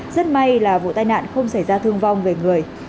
rất may là vụ tai nạn không xảy ra thương vong về người